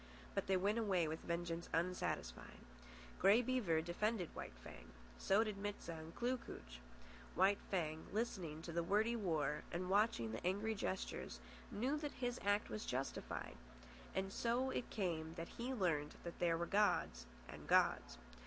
But they went away with vengeance unsatisfied. Grey Beaver defended White Fang. So did Mit sah and Kloo kooch. White Fang, listening to the wordy war and watching the angry gestures, knew that his act was justified. And so it came that he learned there were gods and gods.